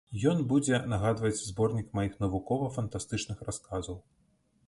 Ён будзе нагадваць зборнік маіх навукова-фантастычных расказаў.